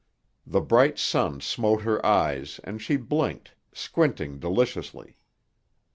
The bright sun smote her eyes and she blinked, squinting deliciously.